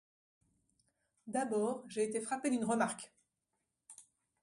D'abord j'ai été frappé d'une remarque.